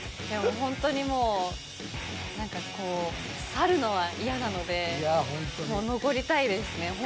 でもホントにもう何かこう去るのは嫌なのでもう残りたいですね